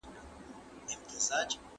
له دين څخه يې غوا جوړه کړې ده، ګټه يې خوري.